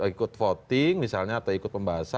ikut voting misalnya atau ikut pembahasan